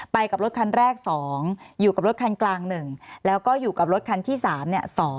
กับรถคันแรก๒อยู่กับรถคันกลาง๑แล้วก็อยู่กับรถคันที่๓เนี่ย